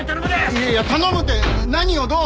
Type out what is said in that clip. いやいや頼むって何をどう？